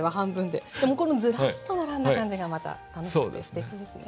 でもこのズラッと並んだ感じがまた楽しくてすてきですね。